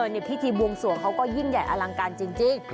ในพิธีบวงสวงเขาก็ยิ่งใหญ่อลังการจริง